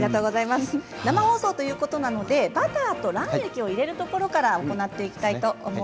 生放送ということなのでバターと卵液を入れるところから行っていきたいと思います。